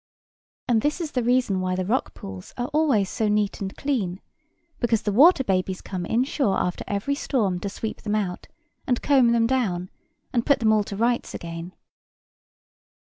And this is the reason why the rock pools are always so neat and clean; because the water babies come inshore after every storm to sweep them out, and comb them down, and put them all to rights again.